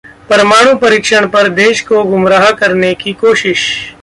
'परमाणु परीक्षण पर देश को गुमराह करने की कोशिश'